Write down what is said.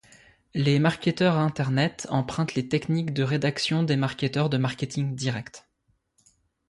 Les marketeurs Internet empruntent les techniques de rédaction des marketeurs de marketing direct.